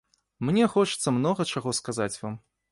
Мне хочацца многа чаго сказаць вам.